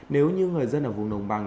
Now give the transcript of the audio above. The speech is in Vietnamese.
nếu như người dân ở vùng đồng bằng